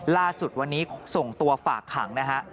ล่าสุดวันนี้ส่งตัวฝากขังนะฮะ